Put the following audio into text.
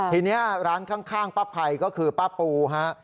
ทีนี้ร้านข้างป้าไพรก็คือป้าปูฮะ